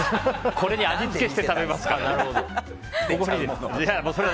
これに味付けして食べますから。